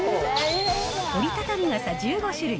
折りたたみ傘１５種類